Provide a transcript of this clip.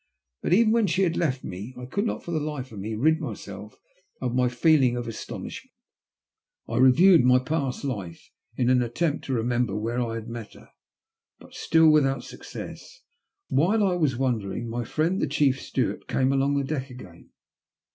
But even when she had left me I could not for the life of me rid myself of my feeling of astonishment. I reviewed my past life in an attempt to remember where I had met her, but still with out success. While I was wondering, my friend the chief steward came along the deck again.